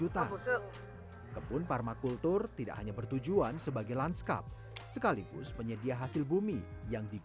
dan ketiga cucunya